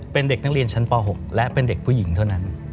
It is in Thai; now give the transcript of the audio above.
เป็นเด็กนักเรียนชั้นป๖และเป็นเด็กผู้หญิงเท่านั้น